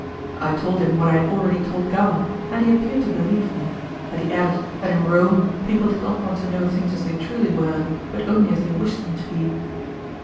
I told him what I had already told Gama, and he appeared to believe me, but he added that in Rome people did not want to know things as they truly were, but only as they wished them to be.